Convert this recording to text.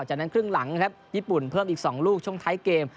จากนั้นครึ่งหลังครับญี่ปุ่นเพิ่มอีก๒ลูกช่วงท้ายเกม